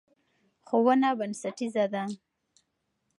ښوونه بنسټیزه ده.